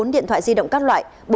bốn mươi bốn điện thoại di động các loại